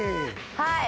はい。